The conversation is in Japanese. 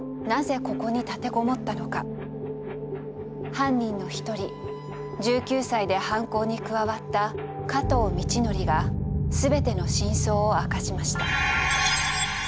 犯人の一人１９歳で犯行に加わった加藤倫教が全ての真相を明かしました。